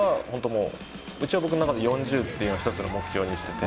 もう、一応、僕の中で４０というのは一つの目標にしてて。